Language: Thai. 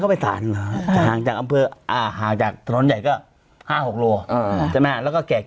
คุยกับลูกหลาน